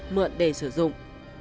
mượn để sử dụng